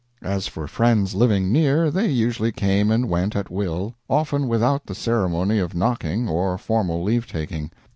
As for friends living near, they usually came and went at will, often without the ceremony of knocking or formal leave taking.